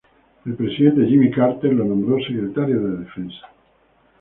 El presidente Jimmy Carter lo nombró secretario de Defensa.